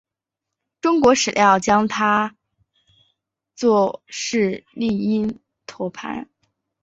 中国史料称他作释利因陀盘。